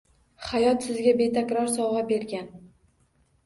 Hayot sizga betakror sovg’a bergan